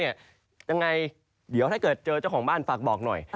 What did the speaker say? ยังไงเดี๋ยวถ้าเกิดเจอเจ้าของบ้านฝากบอกหน่อย